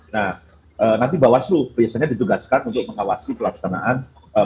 nah nanti bawaslu biasanya ditugaskan untuk mengawasi pelaksanaan